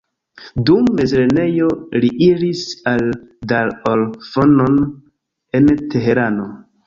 Dum mezlernejo li iris al Dar ol-Fonoon en Teherano.